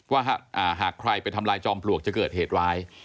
ว่าหากใครไปทำลายจอมปลวกจะเกิดเหตุร้าย